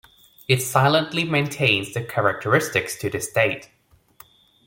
It silently maintains the characteristics to this date.